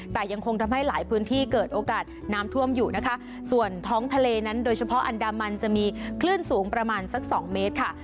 แต่ยังคงทำให้หลายพื้นที่เกิดโอกาสน้ำท่วมอยู่นะคะส่วนท้องทะเลนั้นโดยเฉพาะอันดามันจะมีคลื่นสูงประมาณสักสองเมตรค่ะ